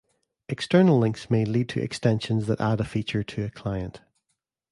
External links may lead to extensions that add a feature to a client.